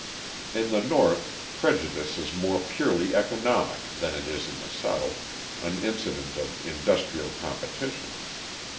In the North prejudice is more purely economic than it is in the South an incident of industrial competition.